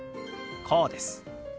こうです。